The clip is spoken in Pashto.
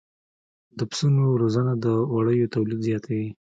د پسونو روزنه د وړیو تولید زیاتوي.